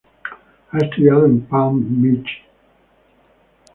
Ha estudiado en Palm Beach Junior College.